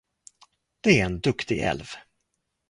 Det är en duktig älv.